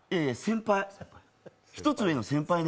１つ上の先輩ね？